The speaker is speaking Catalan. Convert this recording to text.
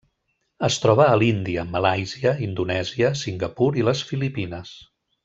Es troba a l'Índia, Malàisia, Indonèsia, Singapur i les Filipines.